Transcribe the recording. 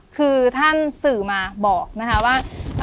คือท่านสื่อมาบอกนะคะว่า